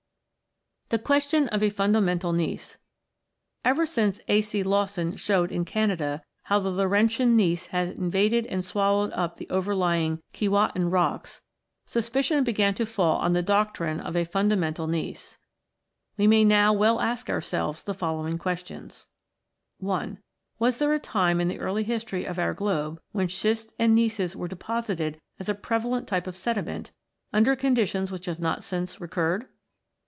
THE QUESTION OF A FUNDAMENTAL GNEISS Ever since A. C. Lawsomw) showed in Canada how the Laurentian gneiss had invaded and swallowed up the overlying Keewatin rocks, suspicion began to fall on the doctrine of a "fundamental" gneiss. We may now well ask ourselves the following questions : (i) Was there a time in the early history of our globe when schists and gneisses were deposited as a vi] METAMORPHIC ROCKS 159 prevalent type of sediment, under conditions which have not since recurred?